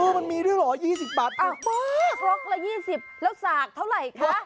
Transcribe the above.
มันมีด้วยเหรอ๒๐บาทล็อกละ๒๐แล้วสากเท่าไหร่คะ